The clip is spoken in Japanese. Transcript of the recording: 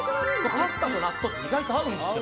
パスタと納豆って意外と合うんですよ。